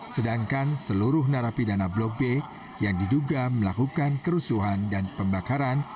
sedangkan seluruh narapidana blok b yang diduga melakukan kerusuhan dan pembakaran